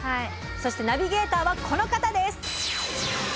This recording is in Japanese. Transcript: そしてナビゲーターはこの方です。